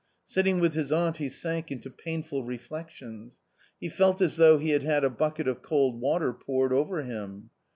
Sitting with his aunt he sank into painful reflections. He felt as though he had had a bucket of cold water poured over him.